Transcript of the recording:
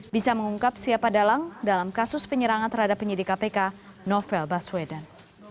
bisa mengungkap siapa dalang dalam kasus penyerangan terhadap penyidik kpk novel baswedan